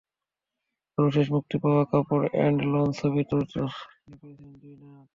সর্বশেষ মুক্তি পাওয়া কাপুর অ্যান্ড সন্স ছবিতেও তিনি পেয়েছেন দুই নায়ক।